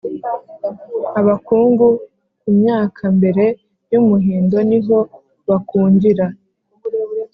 abakungu ku myaka mbere y’umuhindo ni ho bakungira